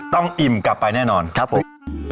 อิ่มกลับไปแน่นอนครับผม